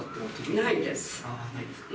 ないです。